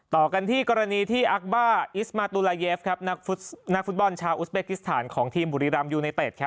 ต่อกันที่กรณีที่อักบ้าอิสมาตุลาเยฟครับนักฟุตบอลชาวอุสเบกิสถานของทีมบุรีรัมยูไนเต็ดครับ